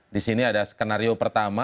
disini ada skenario pertama